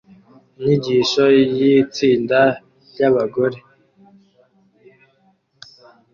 Inyigisho y'itsinda ry'abagore